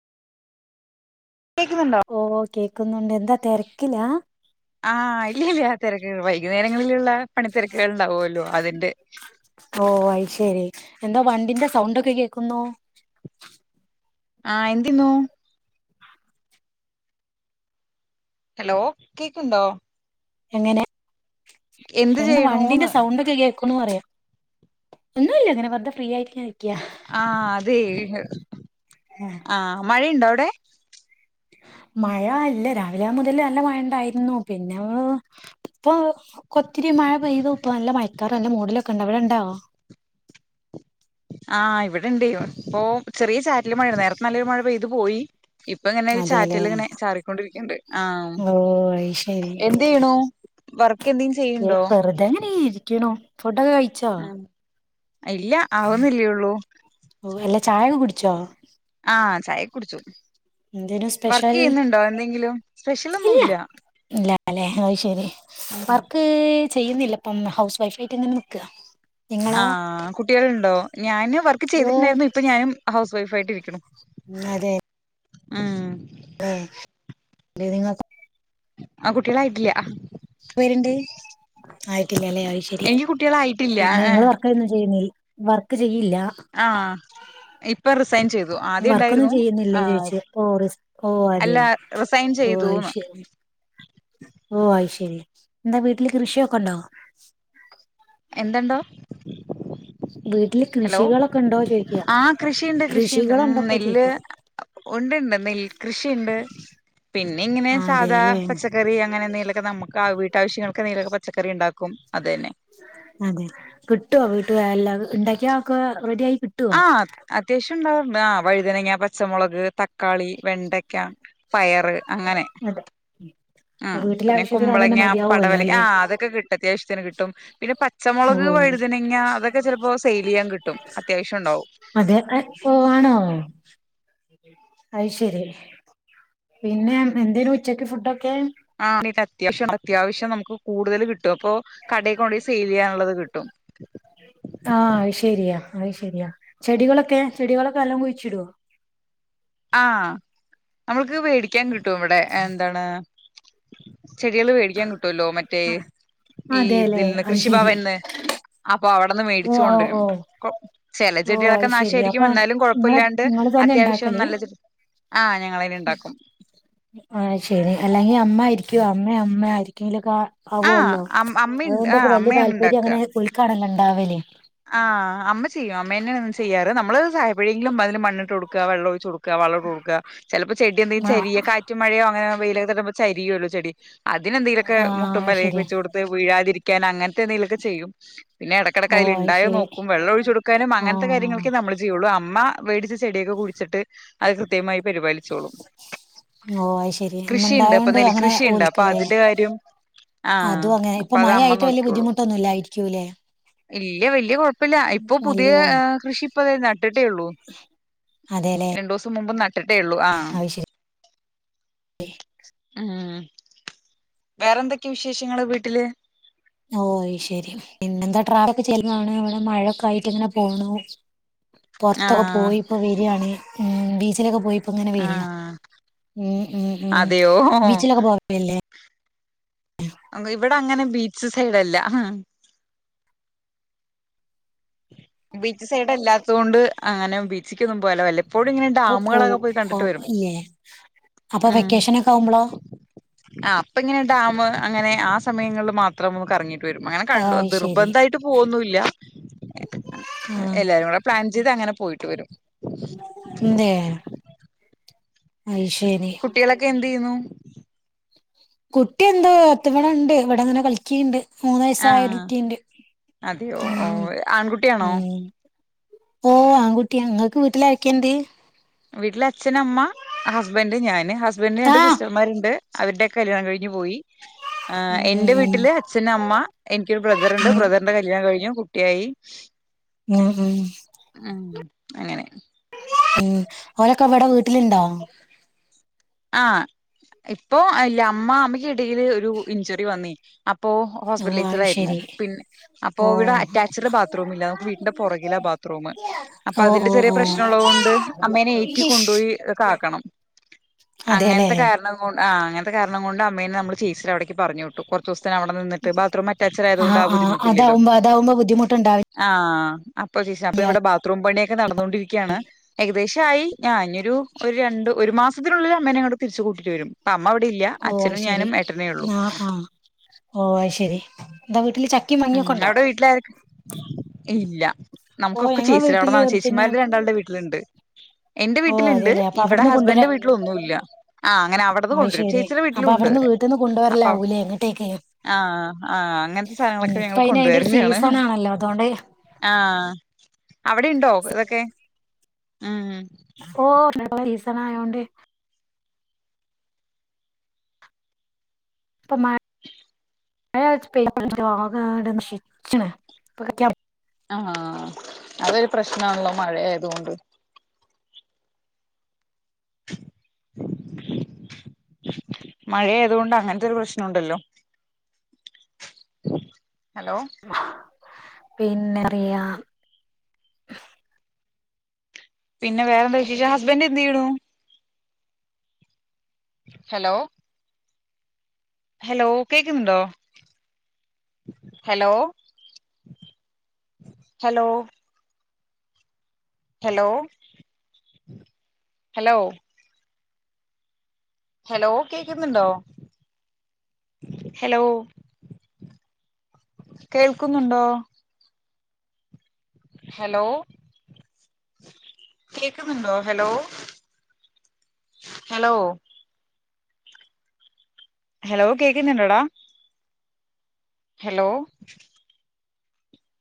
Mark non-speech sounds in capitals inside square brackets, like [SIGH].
ഓഹ് കേക്കുന്നുണ്ട് എന്താ തിരക്കിലാ? ആഹ് ഇല്ലില്ല ആ തിരക്ക് വൈകുന്നേരങ്ങളിലുള്ള പണിത്തെരക്കുകൾണ്ടാവോല്ലോ അതിന്റെ ഓ അത് ശരി എന്താ വണ്ടിന്റെ സൗണ്ട് ആഹ് എന്തിന്നു ഹലോ എങ്ങനെ എന്ത് എന്താ വണ്ടീന്റെ ചെയ്യണൂന്ന് സൗണ്ടൊക്കെ കേൾക്കണൂ പറയ ഒന്നൂല്ല ഇങ്ങനെ വെറുതെ ഫ്രീ ആയിട്ട് ഇ ആഹ് അതെ ആഹ് മഴയുണ്ടോ അവിടെ മഴ അല്ല രാവിലെ മുതൽ നല്ല മഴണ്ടായിരുന്നു പിന്നെ അങ്ങ് ഇപ്പൊ ഒത്തിരി മഴ പെയ്തു ഇപ്പ നല്ല മയക്കാറ് നല്ല മൂടലൊക്കെ ഉണ്ട് അവിടെ ഒണ്ടോ ആഹ് ഇവിടിണ്ട് ഇപ്പൊ ചെറിയ ചാറ്റല് മഴ നേരത്തെ നല്ലൊരു മഴ പെയ്തു പോയി ഇപ്പൊ ഇങ്ങനെ ഒരു അതെല്ലേ ചാറ്റല് ഇങ്ങനെ ചാറിക്കൊണ്ടിരിക്കണ്ട് ആ ഓ അത് ശരി എന്ത് ചെയ്ണു വർക്ക് എന്തെങ്കിലും ചെയ്യണ്ടോ ഫുടൊക്കെ കഴിച്ചോ ഇല്ല ആവുന്നല്ലേള്ളൂ ഓ, അല്ല ചായ ഒക്കെ കുടിച്ചോ ആഹ് ചായ കുടിച്ചു എന്തേനു വർക്ക് സ്പെഷ്യൽ ചെയ്യുന്നുണ്ടോ എന്തെങ്കിലും സ്പെഷ്യൽ ഒന്നും ഇല്ല ഇല്ല അല്ലെ അത് ശരി വർക്ക് ചെയ്യുന്നില്ല അപ്പം ഹൗസ് വൈഫ് ആയിട്ട് ഇങ്ങനെ നിക്ക ആഹ് കുട്ടികളുണ്ടോ ഞാന് വർക്ക് ചെയ്തിട്ടുണ്ടായിരുന്നു ഇപ്പൊ ഞാനും ഹൗസ് വൈഫായിട്ട് ഇരിക്കണു അതെ ആഹ് ആഹ് ആ കുട്ടികളായിട്ടില്ല എത്ര പേരുണ്ട് ആയിട്ടില്ലല്ലേ അയ്ശെരി എനിക്ക് കുട്ടികളായിട്ടില്ല പിന്നെ നിങ്ങള് ഏഹ് വർക്ക് ഒന്നും ചെയ്യുന്ന വർക്ക് ചെ ആഹ് ഇപ്പ റിസ് വർക്കൊന്നും ചെയ്യുന്നില്ലേ ചോദിച്ചയാ ഓറിസ് ഓ അല്ല അതെയോ റിസൈൻ ഓ ചെയ്തൂന്ന് അയ്ശെരി ഓ അയ്ശെരി എന്താ വീട്ടില് കൃഷിയൊക്കെണ്ടോ എന്തണ്ടോ വീട്ടില് ഹലോ കൃഷികളൊക്കെ ഉണ്ടോ ചോദിക്കുക ആ കൃഷിയുണ്ട് കൃഷിയുണ്ട് കൃഷികളുണ്ടൊക്കെ നെല്ല് ചോദിക്കുക ഉണ്ട്ണ്ട് നെൽ കൃഷിണ്ട് പിന്നെ ഇങ്ങനെ സാധാ അതെല്ലേ പച്ചക്കറി അങ്ങനെ എന്തെലൊക്കെ നമുക്ക് ആ വീട്ടാവശ്യങ്ങൾക്കെന്തേലും പച്ചക്കറി ഉണ്ടാക്കും അതു തന്നെ അതെ കിട്ടുവ വീട്ടു എല്ല ഉണ്ടാക്കിയ ഒക്കെ റെഡി ആയി കിട്ടുവോ ആഹ് അത്യാവശ്യംണ്ടാവാറ്ണ്ട് ആ വഴുതനങ്ങ പ പച്ചമുളക് തക്കാളി വെണ്ടയ്ക്ക പയറ് അങ്ങനെ അതെ ആ വീട്ടിലെ പിന്നെ ആവശ്യത്തിന് അതന്നെ കുമ്പളങ്ങ മതിയാവുമല്ലോ പടവലങ്ങ അല്ലെ ആഹ് അതൊക്കെ കിട്ടും അത്യാവശ്യം കിട്ടും പിന്നെ പച്ചമുളക് ഓ വഴുതനങ്ങ അതൊക്കെ ചിലപ്പോ സെയിൽ ചെയ്യാൻ കിട്ടും അത്യാവശ്യം ഉണ്ടാവും അതെ അ പോവാണോ അയ്ശരി പിന്നെ എന്തേലും ഉച്ചക്ക് ഫുഡൊക്കെ ആഹ് അത്യാവശ്യം അത്യാവശ്യം നമുക്ക് കൂടുതൽ കിട്ടും അപ്പൊ കടയിൽ കൊണ്ടുപോയി സെയിൽ ചെയ്യാനുള്ളത് കിട്ടും ആഹ് അയ്ശെരിയാ അയ് ശെരിയാ ചെടികളൊക്കെ ചെടികളൊക്കെ എല്ലാം കുഴിച്ചിടുവോ ആഹ് നമ്മൾക്ക് വേടിക്കാൻ കിട്ടും ഇവിടെ എന്താണ് ചെടികള് വേടിക്കാൻ കിട്ടുവല്ലോ മറ്റേ ഈ അതെല്ലേ ഇതിൽന്ന് അത് ശരി കൃഷിഭവന്ന് അപ്പൊ അവിടെന്ന് ഓ മേടിച്ചു ഓ കൊണ്ടുവരും ഓ ചില ഓ ചെടികളൊക്കെ അത് ശരി നാശായിരിക്കും അപ്പൊ എന്നാലും നിങ്ങള് കൊഴപ്പില്ലാണ്ട് നിങ്ങള് തന്നെ അത്യാവശ്യം ഉണ്ടാക്കല് നല്ലത് ആഹ് ശരി അല്ലെങ്കി അമ്മയാരിക്കു അമ്മേ അമ്മരിക്കെങ്കിലൊക്കാ ആഹ് ആവുല്ലോ അം അമ്മയുണ്ട് അതുകൊണ്ടൊക്കെ ആഹ് വലിയ അമ്മയാണ് താല്പര്യം ഇണ്ടാക്ക അങ്ങനെ ഓൽക്കാണല്ലോ ഉണ്ടാവല് മ്മള് ചായപ്പഴെങ്കിലും അതിന് മണ്ണുട്ടൊടുക്ക വെള്ള ഒഴ്ച്ചൊട്ക്ക ക വളട്ടോടുക്കചിലപ്പോ ചെടി എന്തെങ്കും ആഹ് ചെറിയ കാറ്റ് മഴയോ അങ്ങനെ വെയിലൊക്കെ വന്നപ്പോ ചരിയല്ലോ ചെടി അതിനെന്തങ്കലുമൊക്കെ ആഹ് അത് ശരി മുട്ടുംമ്മൽവെച്ച് കൊടുത്ത് വീഴാതിരിക്കാൻ അങ്ങനത്തെ എന്തെങ്കിലുംക്കെ ചെയ്യും പിന്നെടക്കിടക്ക് ഓ അതിലുണ്ട അത് ണ്ടായോ ശരി നോക്കും വെള്ളോയ്ച്ചൊടുക്കാനും അങ്ങനത്തെ ആഹ് കാര്യങ്ങളൊക്കേ നമ്മ ചെയ്യുള്ളൂ അമ്മ മേടിച്ച ചെടിയൊക്കെ കുടിച്ചിട്ട് അത് കൃത്യമായി പരിപാലിച്ചോളും ഓഹ് അത് ശെരി കൃഷിണ്ട് അപ്പൊ അന്നുണ്ടായോണ്ട് അങ്ങനെ നെൽക്കൃഷിയിണ്ട് അപ്പൊ ഓൽക്ക്ല്ലേ അതിന്റെ കാര്യം ആഹ അതും അങ്ങനെ ഇപ്പൊ അപ്പൊ മഴ അമ്മ ആയിട്ട് വല്യ നോക്ക്യോളൂ ബുദ്ധിമുട്ടൊന്നുംല്ലായിരിക്കൂല്ലേ ഇല്ല വല്യ കുഴപ്പ ഇപ്പല്ല ഇപ്പൊ പുതിയ നല്ലോ കൃഷി ഇപ്പതാ നട്ടിട്ടേ ഉള്ളൂ അതെല്ലേ രണ്ടോസം മുമ്പ് ഏള്ളൂ ആഹ അത് ശരി ഉ വേറെന്തൊക്കെയ വിശേഷങ്ങള് വീട്ടില് ഓയ് ശരി പിന്നെന്താ ട്രാഫ ഒക്കെ ചെല്ലുമ്പോ അവിടെ മഴൊക്കെ ആയിട്ട് ഇങ്ങനെ പോണു പൊർത്തൊക്കെ ആഹ് പോയിപ്പോ വരാണ് ഉ ബീച്ചിലൊക്കെ പോയി അപ്പ ഇങ്ങനെ വരിയാ ആഹ് ഉ ഉ ഉ അതെയോ വീച്ചിലൊക്കെ പോവല്ലേ ഇവിടെ അങ്ങനെ ബീച്ച് സൈഡല്ല ബീച്ച് സൈഡ്ല്ലാത്ത കൊണ്ട് അങ്ങനെ ബീച്ചക്കൊന്നും പോലില്ല പ്പോഴും ഇങ്ങനെ ഇപ്പൊ ഡാമുകളൊക്കെ പോവും പോയി ഓ, കണ്ടിട്ട് വരും ഇല്ലേ അപ്പൊ ഉ വെക്കേഷനൊക്കെ ആവുമ്പളോ ആ അപ്പ ഇങ്ങനെ ഡാം അങ്ങനെ ആ സമയങ്ങളിൽ മാത്രം കറങ്ങിട്ട് അങ്ങനെ ആഹ് കണ്ട അത് ശരി നിർബന്ധട്ട് പോകൊന്നില്ല ആഹ് എല്ലാരും കൂ പ്ലാൻ ചെയ്ത് അങ്ങനെ പോയിട്ട് വരും ന്തേ അയ്ശരി കുട്ടികളൊക്കെ എന്ത് ചെയ്യുന്നു കുട്ടി എന്തോ ത് വിടെണ്ട് ഇവിടെങ്ങനെ കളിക്ക്‌ണ്ട് ആഹ് മൂന്നയസായട്ടീണ്ട്‌ അതെയോ ഉ ഓ ഉ ആൺകുട്ടിയാണോ ഓ ആൺകുട്ടിയ ങ്ങക്ക് വീട്ടില ആക്കണ്ട് വീട്ടില് അച്ഛന അമ്മ ഹസ്ബന്ഡ് ഞാന് ഹസ്ബന്ഡ രണ്ട് ആഹ് സിസ്റ്റർമാരുണ്ട് അവരുടെക്കെ കല്യാണം കഴിഞ്ഞ് പോയി ആ ഉം ഉം എന്റെ വീട്ടില് അച്ഛനമ്മ എനിക്കൊരു ഉം ബ്രദറുണ്ട് ഉം ബ്രദറിന്റെ കല്യാണം കഴിഞ്ഞു യി ഉം ഉം ഉ അങ്ങനെ ഉം ഓരൊക്കെവിടെ വീട്ടിലിണ്ടോ ആഹ ഇപ്പൊ അല്ല അമ്മ അമ്മയ്ക്ക്ടയില് ഒരു ഇഞ്ചുറി വന്നി അപ്പോ ഓ അയ് ഹോസ്പിറ്റലൈസറായിരുന്നു ശരി പിന്നെ അപ്പോ ഓ ഇവിടെ അറ്റാച്ചഡ് ബാത്റൂമില്ല നമുക്ക് വീട്ന്റെ പുറകില ബാത്റൂം അപ്പൊ ഓ അതിന്റെ ഓ ചെറിയ ഓ പ്രശ്നള്ളത് കൊണ്ട് അമ്മേനെ ഏറ്റി കൊണ്ടോയികാക്കണം അതെല്ലേ അങ്ങൻത്തെ കാരണം കൊ ആ അങ്ങനത്തെ കാരണം കൊണ്ട് അമ്മേനെ നമ്മള് ചേച്ചിന്റെവിട പറഞ്ഞുട്ടു കൊർച്ചേസത്തിനവിടെ നിന്ന്ട്ട് ബാത്റൂം അറ്റാചച്ച്ഡായതുകൊണ്ട് ആഹ് ആ ആഹ് ബുദ്ധിമുട്ടില്ലല്ലോ അതാവുമ്പോ അതാവുമ്പോ ബുദ്ധിമുട്ടുണ്ടാവില്ല ആഹ അപ്പൊ ച അപ്പൊ ഇവിടെ ബാത്റൂം പണിയൊക്കെ നടന്നോണ്ടിരിക്കുകയാണ് ഏകദേശം ആയി ഞാ ഇനൊരു രണ്ട് ഒരു മാസത്തിനുള്ളിൽ അമ്മേനങ്ങോട്ട് തിരിച്ചു കൂട്ടിറ്റ് വെരും അമ്മ വിടെല്ല ഓ അയ് അച്ഛനും ശരി ഞാനും ഏട്ടനേള്ളൂ ആഹ് ആഹ് ഓ അയ് ശരി എന്താ വീട്ടില് ചക്കിം ഉം മാങ്ങിയൊക്കെ ഉണ്ടോ അവിടെ വീട്ടിലാര് ഇല്ല ഓ നമുക്കൊക്കെ ഞങ്ങളെ ചേച്ചിടെവിടെ വീട്ടില് പിന്നെ ചേച്ചിമാരുടെ രണ്ടാളുടെ വീട്ടിലുണ്ട് എന്റെ ഓ വീട്ടിലുണ്ട് അതെല്ലേ അപ്പൊ ഇവിടെ അവിടുന്ന് കൊണ്ടുവരാ ഹസ്ബൻഡന്റെ വീട്ടിലൊന്നുംല്ല ആ അങ്ങനെ അവിടുന്ന് കൊണ്ടുവരും ചേച്ചിയടെ വീട്ടിലുണ്ട് വീട്ട്ന്ന് കൊണ്ടോരലാവൂലേ എങ്ങട്ടേക്കെ ആഹ് ആഹ് അങ്ങൻത്തെ സാധനങ്ങങ്ങളൊക്കെ അതിന് അതിന്റെ ഒരു കൊണ്ടുവരുന്നാണ് സീസൺ ആണല്ലോ അതുകൊണ്ട് ആഹ അവിടെ ഇണ്ടോ ഇതൊക്കെ ഹഹ ഓ നല്ല സീസണായോണ്ട് തമാ ലോകം അവിടെ നശിച്ചിന്നെ ആഹ അതൊരു പ്രശ്നമാണല്ലോ മഴ ആയതുകൊണ്ട് [INAUDIBLE] മഴഏതുകൊണ്ട് അങ്ങനത്തെ ഒരു പ്രശ്നുണ്ടല്ലോ [INAUDIBLE] ഹലോ പിന്നെറിയാം പിന്നെ വേറെന്താ ച ചച്ചാ ഹസ്ബൻഡ് എന്ത്തീയുണു ഹലോ ഹലോ കേക്കുന്നുണ്ടോ hello hello hello hello hello കേക്കുന്നുണ്ടോ ഹലോ കേൾക്കുന്നുണ്ടോ ഹലോ കേക്കുന്നുണ്ടോ ഹലോ ഹലോ ഹലോ കേക്കുന്നുണ്ടോടാ ഹലോ